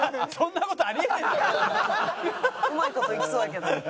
うまい事いきそうやけど。